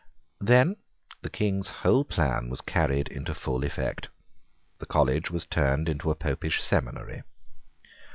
Then the King's whole plan was carried into full effect. The college was turned into a Popish seminary.